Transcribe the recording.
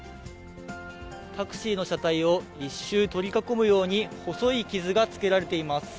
タクシーの車体を１周取り囲むように、細い傷がつけられています。